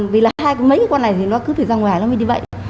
vì là hai mấy con này nó cứ phải ra ngoài nó mới đi bệnh